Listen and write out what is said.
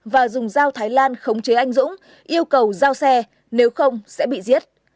và dùng dao thái lan khống chế anh dũng yêu cầu giao xe nếu không sẽ bị giết